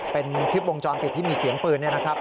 เป็นคลิปวงจรปิดที่มีเสียงปืนเนี่ยนะครับ